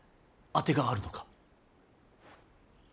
当てがあるのか。